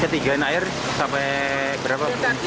ketinggian air sampai berapa